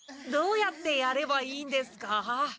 どうやってやればいいんですか？